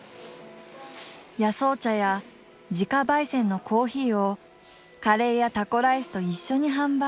野草茶や自家焙煎のコーヒーをカレーやタコライスと一緒に販売。